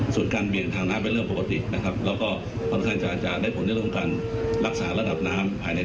ส่วนการเบียนทางน้ำเป็นเรื่องปกตินะครับแล้วก็สามารถพลังจะจะได้ผลในโรงการรักษาระดับน้ำภายใน